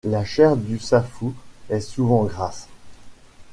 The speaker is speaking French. La chair du safou est souvent grasse.